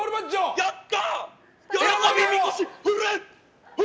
やった！